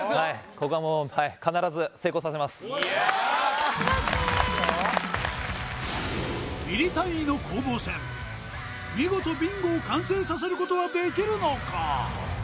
ここはもうミリ単位の攻防戦見事ビンゴを完成させることはできるのか？